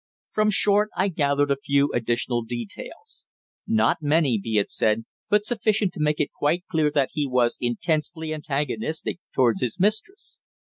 From Short I gathered a few additional details. Not many, be it said, but sufficient to make it quite clear that he was intensely antagonistic towards his mistress.